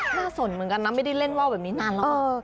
สนเหมือนกันนะไม่ได้เล่นว่าวแบบนี้นานแล้ว